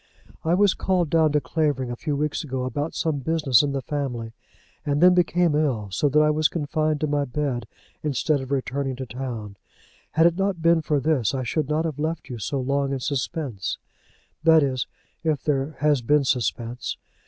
I was called down to Clavering a few weeks ago, about some business in the family, and then became ill, so that I was confined to my bed instead of returning to town. Had it not been for this I should not have left you so long in suspense, that is if there has been suspense.